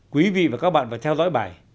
quý vị và các bạn phải theo dõi bài